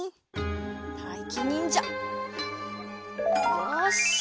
たいきにんじゃよし。